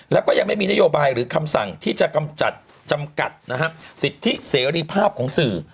แล้วก็ยังไม่มีนโยบายหรือคำสั่งที่จะกำจัดจำกัดนะฮะสิทธิเสรีภาพของสื่อ